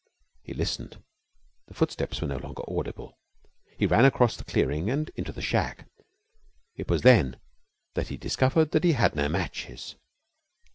He listened. The footsteps were no longer audible. He ran across the clearing and into the shack. It was then that he discovered that he had no matches.